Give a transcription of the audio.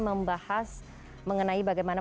membahas mengenai bagaimana